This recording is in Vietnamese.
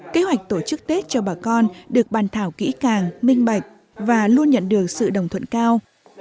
kế hoạch tổ chức tết cho bà con được bàn thảo kỹ càng minh bạch và luôn nhận được sự đồng thuận cao